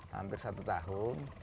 hampir satu tahun